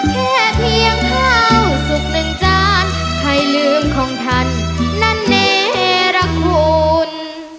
แค่เพียงข้าวสุกเป็นจานใครลืมของท่านนั้นเนรคุณ